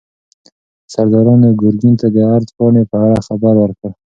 سردارانو ګورګین ته د عرض پاڼې په اړه خبر ورکړ.